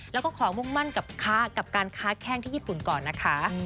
แล้วก็ขอมุ่งมั่นกับการค้าแข้งที่ญี่ปุ่นก่อนนะคะ